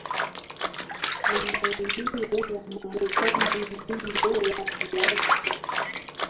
na maeneo ya Marekani jimbo la Alaska